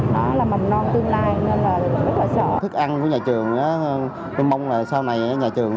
nó là mầm non tương lai nên là rất là sợ thức ăn của nhà trường đó tôi mong là sau này nhà trường